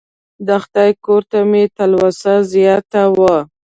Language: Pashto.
د خدای کور ته مې تلوسه زیاته وه.